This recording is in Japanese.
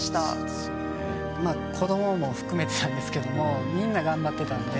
まあ子どもも含めてなんですけどもみんな頑張ってたんで。